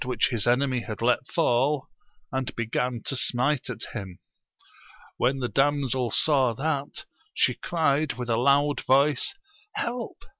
191 which his enemy had let fall, and began to smite at him. When the damsel saw that, she cried with a loud voice, Help